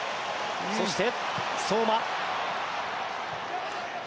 そして、相馬。